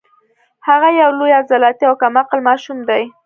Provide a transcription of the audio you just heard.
هغه یو لوی عضلاتي او کم عقل ماشوم دی